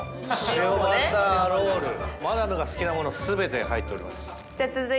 塩バターロールマダムが好きなものすべて入っております